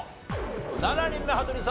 ７人目羽鳥さん